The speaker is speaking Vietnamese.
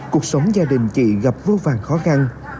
cuộc sống gia đình chị gặp vô vàn khó khăn